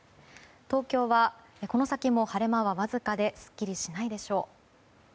東京はこの先も晴れ間はわずかですっきりしないでしょう。